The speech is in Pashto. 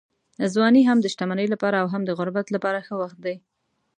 ځواني هم د شتمنۍ لپاره او هم د غربت لپاره ښه وخت دی.